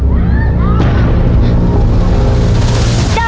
ได้ครับ